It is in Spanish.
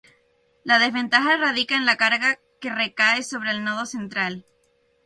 La desventaja radica en la carga que recae sobre el nodo central.